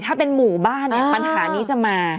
ถ้าเป็นหมู่บ้านเนี่ยปัญหานี้จะมา